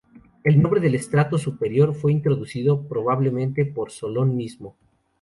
El nombre del estrato superior fue introducido probablemente por Solón mismo.